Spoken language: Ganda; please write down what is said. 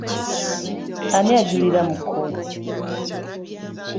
Ani ajulira mu kkooti?